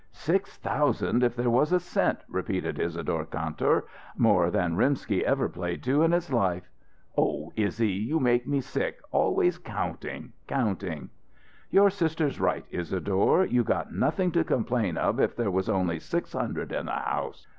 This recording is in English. "Six thousand if there was a cent," repeated Isadore Kantor; "more than Rimsky ever played to in his life!" "Oh, Izzy, you make me sick, always counting counting." "Your sister's right, Isadore. You got nothing to complain of if there was only six hundred in the house.